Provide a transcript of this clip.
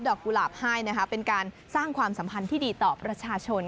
กุหลาบให้นะคะเป็นการสร้างความสัมพันธ์ที่ดีต่อประชาชน